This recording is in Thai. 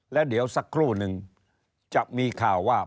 แล้วเดี๋ยวสักครู่นึงจะมีข่าวว่า